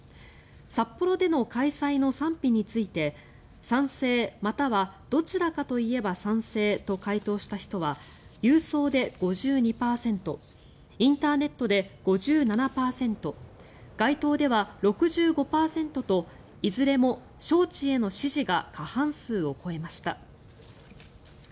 札幌での開催の賛否について賛成、またはどちらかといえば賛成と回答した人は郵送で５２％インターネットで５７％街頭では６５％といずれも招致への支持が過半数を超えました。